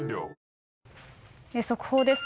速報です。